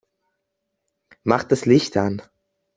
Mach das Licht an!